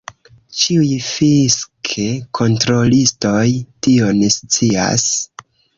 Ĉiuj fisk-kontrolistoj tion scias.